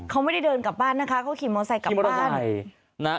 เขาไม่ได้เดินกลับบ้านนะคะเขาขี่มอไซค์กลับบ้าน